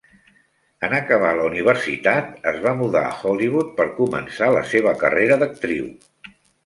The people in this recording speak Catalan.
En acabar la universitat, es va mudar a Hollywood per començar la seva carrera d'actriu.